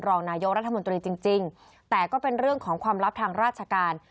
รองนายกรัฐมนตรีจริงแต่ก็เป็นเรื่องของความลับทางราชการ